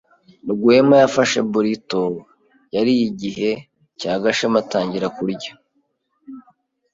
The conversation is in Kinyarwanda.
Rwema yafashe burrito yariye igice cya Gashema atangira kurya.